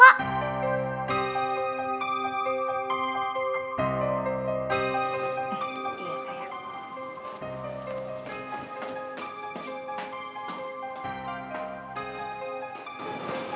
papa gak salah kok